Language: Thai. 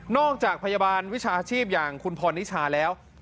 จากพยาบาลวิชาชีพอย่างคุณพรนิชาแล้ว